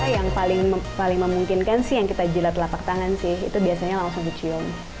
yang paling memungkinkan sih yang kita jelat lapak tangan sih itu biasanya langsung dicium